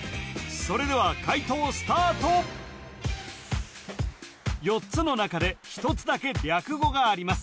それでは解答スタート４つの中で１つだけ略語があります